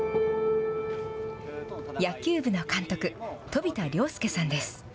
野球部の監督飛田陵佑さんです。